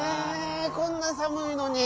こんなさむいのに。